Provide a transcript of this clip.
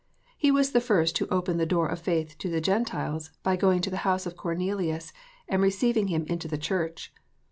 He was the first who opened the door of faith to the Gentiles, by going to the house of Cornelius, and receiving him into the Church.